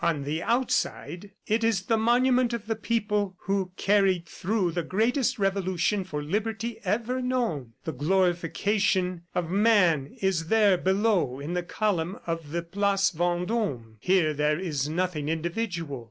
On the outside, it is the monument of the people who carried through the greatest revolution for liberty ever known. The glorification of man is there below in the column of the place Vendome. Here there is nothing individual.